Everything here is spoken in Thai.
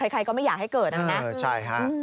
ใครก็ไม่อยากให้เกิดนะครับนะใช่ครับ